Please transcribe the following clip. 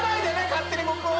勝手に僕を！